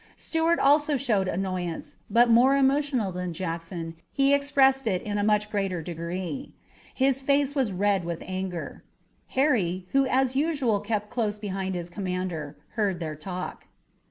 Stuart also showed annoyance, but, more emotional than Jackson, he expressed it in a much greater degree. His face was red with anger. Harry, who as usual kept close behind his commander, heard their talk.